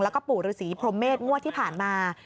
แล้วก็ปู่ฤษีพรมเมษงวดที่ผ่านมา